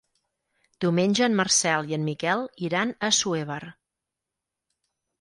Diumenge en Marcel i en Miquel iran a Assuévar.